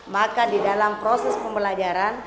maka di dalam proses pembelajaran